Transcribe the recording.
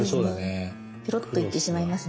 ペロッと行ってしまいますね。